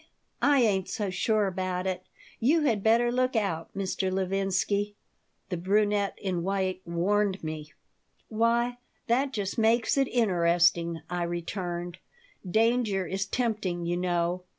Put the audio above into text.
I ain't so sure about it. You had better look out, Mr. Levinsky," the brunette in white warned me "Why, that just makes it interesting," I returned. "Danger is tempting, you know.